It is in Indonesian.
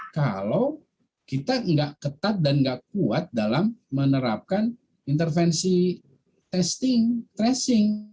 kalau kita nggak ketat dan nggak kuat dalam menerapkan intervensi testing tracing